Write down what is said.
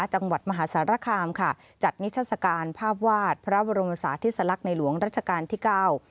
จังหวัดมหาสารคามค่ะจัดนิทัศกาลภาพวาดพระบรมศาธิสลักษณ์ในหลวงรัชกาลที่เก้า